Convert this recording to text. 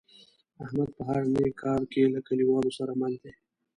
احمد په هر نیک کار کې له کلیوالو سره مل دی.